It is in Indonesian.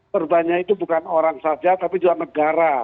perbannya itu bukan orang saja tapi juga negara